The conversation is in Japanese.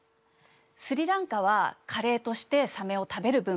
スリランカはカレーとしてサメを食べる文化があります。